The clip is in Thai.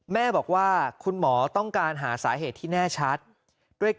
แม่บอกว่าคุณหมอต้องการหาสาเหตุที่แน่ชัด